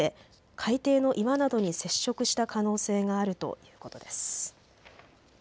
海底の岩などに接触した可能性があるということです。